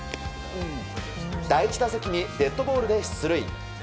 第１打席にデッドボールで出塁。